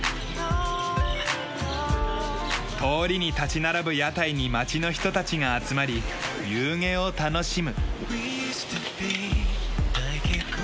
通りに立ち並ぶ屋台に町の人たちが集まり夕げを楽しむ。